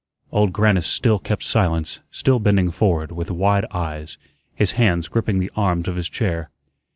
Old Grannis still kept silence, still bending forward, with wide eyes, his hands gripping the arms of his chair.